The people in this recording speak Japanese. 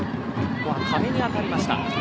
ここは壁に当たりました。